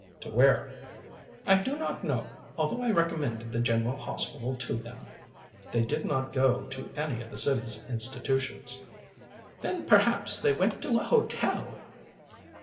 "To where?" "I do not know, although I recommended the general hospital to them." "They did not go to any of the city institutions." "Then perhaps they went to a hotel."